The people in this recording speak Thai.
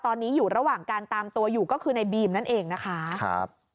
ตอนนี้อยู่ระหว่างการตามตัวอยู่ก็คือในบีมนั่นเองนะคะครับ